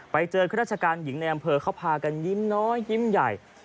ไปเจอข้าราชการหญิงในอำเภอเขาพากันยิ้มน้อยยิ้มใหญ่